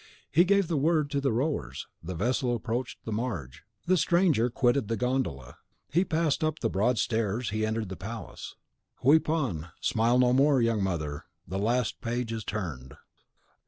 He gave the word to the rowers, the vessel approached the marge. The stranger quitted the gondola; he passed up the broad stairs; he entered the palace. Weep on, smile no more, young mother! the last page is turned!